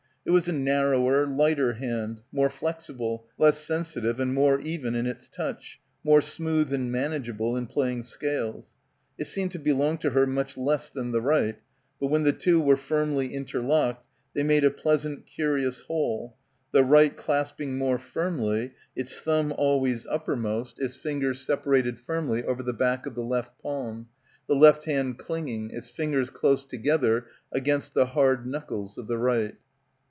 It was a narrower, lighter hand, more flexible, less sensitive and more even in its touch — more smooth and manageable in playing scales. It seemed to belong to her much less than the right ; but when the two were firmly interlocked they made a pleasant curious whole, the right clasping more firmly, its thumb always uppermost, its 178 BACKWATER fingers separated firmly over the back of the left palm, the left hand clinging, its fingers close together against the hard knuckles of the right.